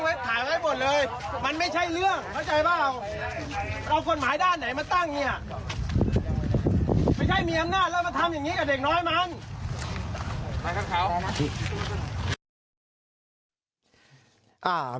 ไปครับคราว